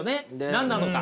何なのか。